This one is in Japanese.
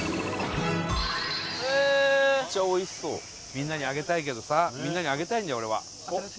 みんなにあげたいけどさみんなにあげたいんだよ俺は。